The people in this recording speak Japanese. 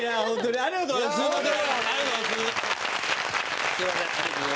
ありがとうございます。